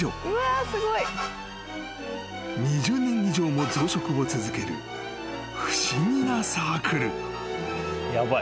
［２０年以上も増殖を続ける不思議なサークル］